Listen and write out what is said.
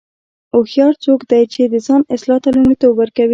هوښیار څوک دی چې د ځان اصلاح ته لومړیتوب ورکوي.